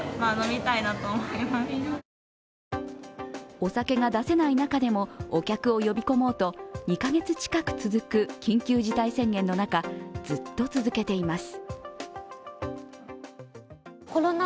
お酒が出せない中でもお客を呼び込もうと２カ月近く続く緊急事態宣言の中、ずっと続けています。